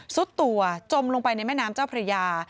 สุดตัวจมลงไปในแม่น้ำเจ้าพระยา